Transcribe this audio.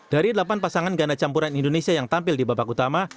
dari delapan pasangan ganda campuran indonesia yang tampil di babak utama